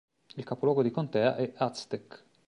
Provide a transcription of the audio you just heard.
Il capoluogo di contea è Aztec.